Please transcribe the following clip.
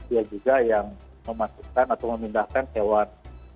dia juga yang memasukkan atau memindahkan hewan